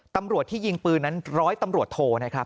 ตำรวจที่ยิงปืนนั้นร้อยตำรวจโทนะครับ